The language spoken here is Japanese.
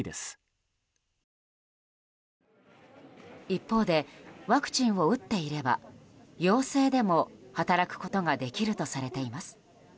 一方でワクチンを打っていれば陽性でも働くことができるとされています。